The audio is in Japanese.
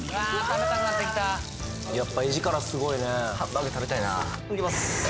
食べたくなってきたやっぱ画力すごいねハンバーグ食べたいないきます